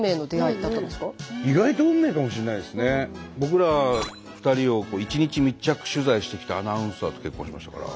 僕ら２人を一日密着取材してきたアナウンサーと結婚しましたから。